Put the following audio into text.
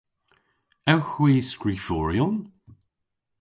Ewgh hwi skriforyon?